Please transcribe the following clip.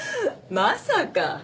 まさか。